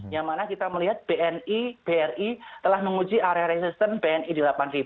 yang mana kita melihat bri telah menguji area resistance bni di delapan